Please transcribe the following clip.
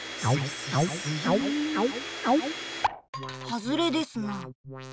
はずれですな。